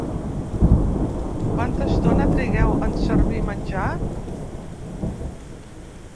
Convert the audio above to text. Quanta estona trigueu en servir menjar?